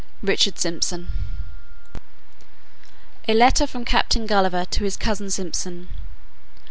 RICHARD SYMPSON. A LETTER FROM CAPTAIN GULLIVER TO HIS COUSIN SYMPSON.